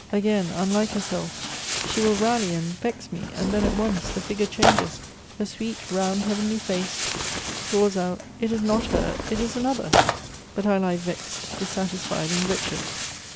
Again, unlike lerself, she will rally and vex me ; and then at once the igure changes — her sweet, round, heavenly face draws )ut ; it is not her, it is another ; but I lie vexed, dissatis ied and wretched.